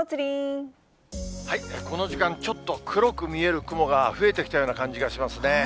この時間、ちょっと黒く見える雲が増えてきたような感じがしますね。